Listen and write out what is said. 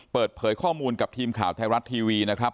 เปิดเผยข้อมูลกับทีมข่าวไทยรัฐทีวีนะครับ